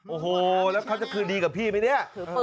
โอ้โหแล้วเขาจะคืนดีกับพี่ไหมเนี่ย